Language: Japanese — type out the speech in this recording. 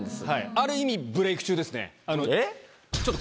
ある意味ブレーク中ですね。